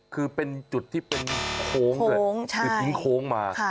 คือเป็นจุดที่เป็นโค้งด้วยคือทิ้งโค้งมา